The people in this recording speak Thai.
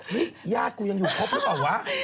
ญาติกูยังอยู่ครบหรือเปล่าวะ